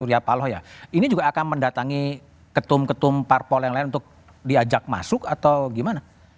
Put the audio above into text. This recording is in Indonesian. ini juga akan mendatangi ketum ketum parpol yang lain untuk diajak masuk atau gimana